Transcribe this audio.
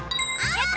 やった！